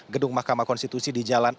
gedung mahkamah konstitusi di jalan